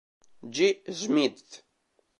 G. Schmidt.